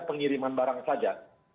pengiriman barang saja